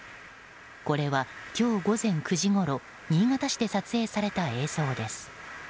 これは今日午前９時ごろ新潟市で撮影された映像です。